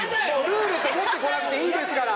ルーレット持ってこなくていいですから！